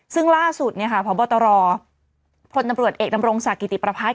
ซึ่งล่าสุดพบตรพลตำรวจเอกดำรงศักดิติประพัทธ